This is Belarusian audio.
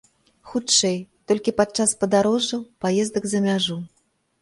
Хутчэй, толькі падчас падарожжаў, паездак за мяжу.